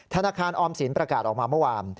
ธนาคารออมสินประกาศออกมาเมื่อวาน